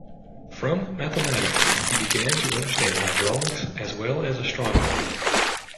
From mathematics, he began to understand hydraulics, as well as astronomy.